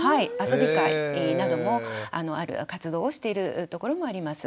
遊び会などもある活動をしているところもあります。